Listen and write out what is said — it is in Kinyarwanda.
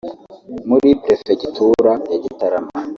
muri perefegitura ya Gitarama